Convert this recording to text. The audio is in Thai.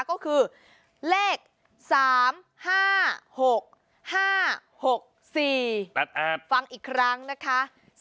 ก็คือเลขสามห้าหกห้าหกสี่ฟังอีกครั้งนะคะ